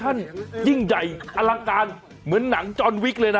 ยิ่งใหญ่อลังการเหมือนหนังจรวิกเลยนะ